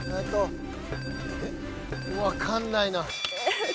わかんないな。